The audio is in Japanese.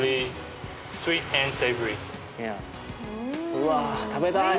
うわ食べたい。